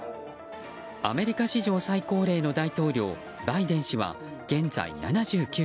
アメリカ史上最高齢の大統領バイデン氏は現在７９歳。